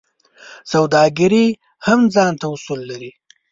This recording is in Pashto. سوداګري هم ځانته اصول لري.